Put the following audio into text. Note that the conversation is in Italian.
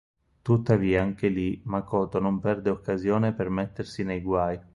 Tuttavia anche lì Makoto non perde occasione per mettersi nei guai.